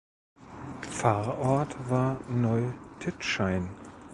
Pfarrort war Neutitschein.